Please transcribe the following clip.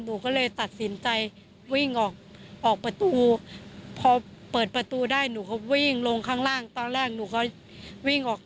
หนูก็เลยตัดสินใจวิ่งออก